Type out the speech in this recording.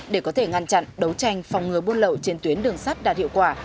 để có thể ngăn chặn đấu tranh phòng ngừa buôn lậu trên tuyến đường sắt đạt hiệu quả